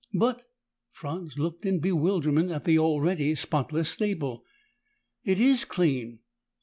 "But " Franz looked in bewilderment at the already spotless stable. "It is clean!"